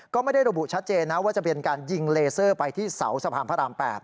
ก็ไม่ได้ระบุชัดเจนนะว่าจะเป็นการยิงเลเซอร์ไปที่เสาสะพานพระราม๘